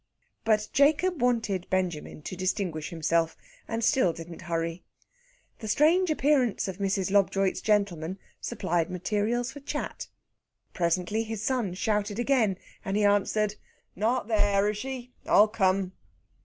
But Jacob wanted Benjamin to distinguish himself, and still didn't hurry. The strange appearance of Mrs. Lobjoit's gentleman supplied materials for chat. Presently his son shouted again, and he answered, "Not there, is she? I'll come."